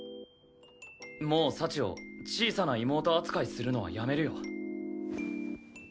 もう幸を小さな妹扱いするのはやめるよ。